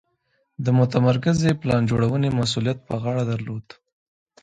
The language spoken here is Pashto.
د متمرکزې پلان جوړونې مسوولیت پر غاړه درلود.